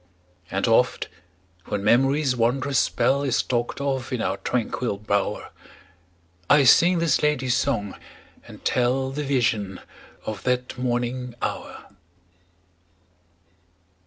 And oft when memory's wondrous spell Is talked of in our tranquil bower, I sing this lady's song, and tell The vision of that morning hour.